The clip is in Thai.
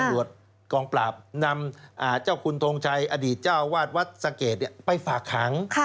ตำรวจกองปราบนำเจ้าคุณทงชัยอดีตเจ้าวาดวัดสะเกดไปฝากขัง